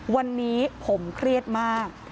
วันนี้ผมเครียดมาก